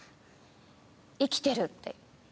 生きてるって。